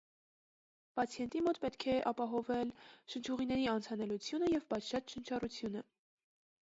Պացիենտի մոտ պետք է ապահովել շնչուղիների անցանելությունը և պատշաճ շնչառությունը։